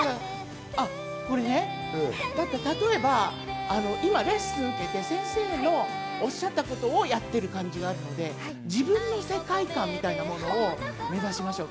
例えば今レッスン受けて先生のおっしゃったことをやってる感じがあるので自分の世界観みたいなものを目指しましょう。